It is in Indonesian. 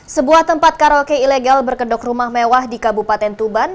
sebuah tempat karaoke ilegal berkedok rumah mewah di kabupaten tuban